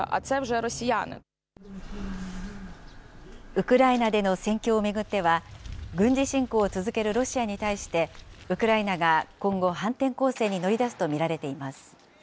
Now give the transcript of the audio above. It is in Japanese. ウクライナでの戦況を巡っては、軍事侵攻を続けるロシアに対して、ウクライナが今後、反転攻勢に乗り出すと見られています。